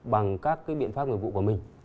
bằng các cái biện pháp người vụ của mình